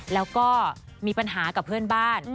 แล้วก็มีปัญหากับเพื่อนบ้าน